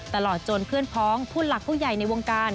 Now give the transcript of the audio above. ตลอดจนเพื่อนพ้องผู้หลักผู้ใหญ่ในวงการ